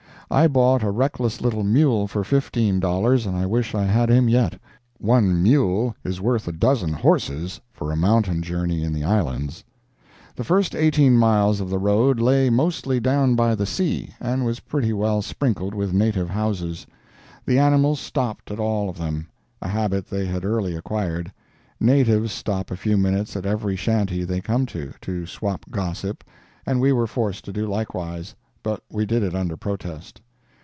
I bought a reckless little mule for fifteen dollars, and I wish I had him yet. One mule is worth a dozen horses for a mountain journey in the Islands. The first eighteen miles of the road lay mostly down by the sea, and was pretty well sprinkled with native houses. The animals stopped at all of them—a habit they had early acquired; natives stop a few minutes at every shanty they come to, to swap gossip, and we were forced to do likewise—but we did it under protest.